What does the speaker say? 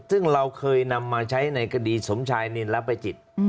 ซึ่งเราเคยนำมาใช้ในคดีสมชายเนรภัยจิต